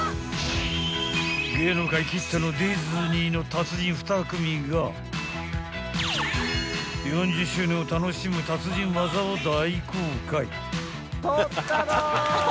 芸能界きってのディズニーの達人２組が４０周年を楽しむ達人技を大公開。